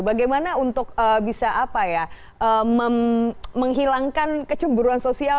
bagaimana untuk bisa apa ya menghilangkan kecemburuan sosial